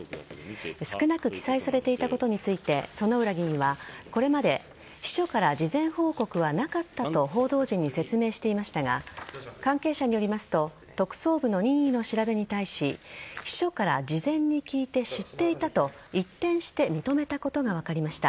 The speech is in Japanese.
少なく記載されていたことについて薗浦議員はこれまで秘書から事前報告はなかったと報道陣に説明していましたが関係者によりますと特捜部の任意の調べに対し秘書から事前に聞いて知っていたと一転して認めたことが分かりました。